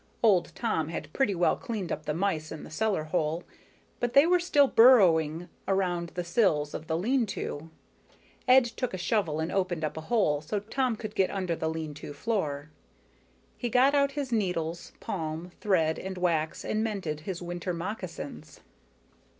Old Tom had pretty well cleaned up the mice in the cellar hole, but they were still burrowing around the sills of the lean to. Ed took a shovel and opened up a hole so Tom could get under the lean to floor. He got out his needles, palm, thread, and wax; and mended his winter moccasins.